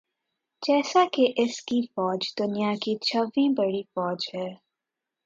جیسا کہ اس کی فوج دنیا کی چھویں بڑی فوج ہے